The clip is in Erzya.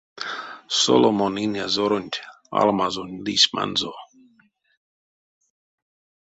Соломон инязоронть алмазонь лисьманзо.